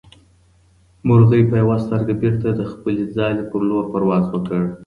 مرغۍ په یوه سترګه بېرته د خپلې ځالې په لور پرواز وکړ.